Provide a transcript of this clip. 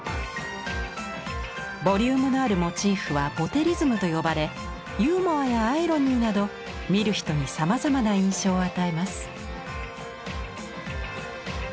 ボリュームのあるモチーフは「ボテリズム」と呼ばれユーモアやアイロニーなど見る人にさまざまな印象を与えます。